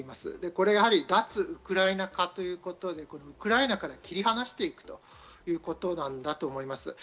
これはやはり脱ウクライナ化ということでウクライナから切り離していくということなんだと思います。